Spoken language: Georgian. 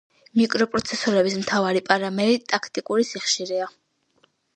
მიკროპროცესორების მთავარი პარამერი ტაქტიკური სიხშირეა.